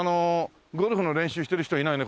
ゴルフの練習してる人はいないね